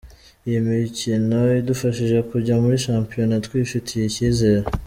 Iyi mikino idufashije kujya muri shampiyona twifitiye icyizere.